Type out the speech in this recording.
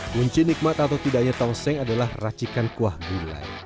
kunci nikmat atau tidaknya tongseng adalah racikan kuah gulai